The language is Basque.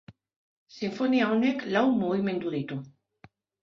Sinfonia honek lau mugimendu ditu.